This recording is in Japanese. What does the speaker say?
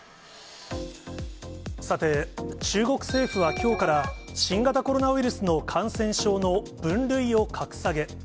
さて、中国政府はきょうから、新型コロナウイルスの感染症の分類を格下げ。